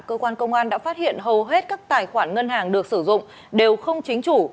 cơ quan công an đã phát hiện hầu hết các tài khoản ngân hàng được sử dụng đều không chính chủ